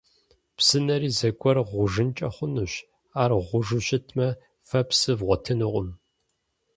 Псынэри зэгуэр гъужынкӀэ хъунущ. Ар гъужу щытмэ, фэ псы вгъуэтынукъым.